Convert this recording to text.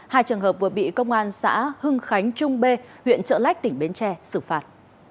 hai trường hợp vừa bị công an xã hưng khánh trung b huyện trợ lách tỉnh bến tre xử phạt